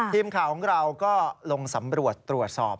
ทีมข่าวของเราก็ลงสำรวจตรวจสอบ